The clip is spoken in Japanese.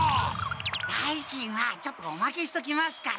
代金はちょっとおまけしときますから。